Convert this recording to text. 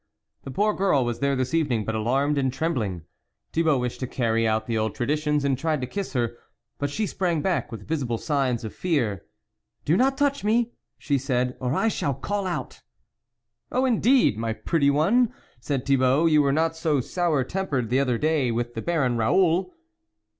The poor girl was there this evening, but alarmed and trembling. Thibault wished to carry out the old traditions and tried to kiss her but she sprang back with visible signs o: fear. " Do not touch me," she said, " or ] shall call out." " Oh, indeed ! my pretty one," saic Thibault, " you were not so sour temperec the other day with the Baron Raoul."